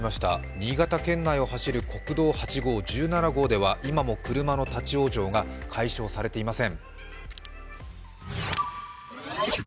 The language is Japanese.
新潟県内を走る国道８号、１７号では今も車の立往生が解消されていません。